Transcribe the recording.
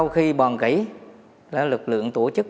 công ty môi trường đông bét